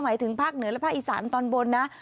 หมายถึงภาคเหนือและภาคอีสานตอนบนนะ